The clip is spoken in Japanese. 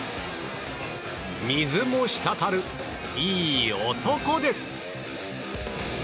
水も滴るいい男です。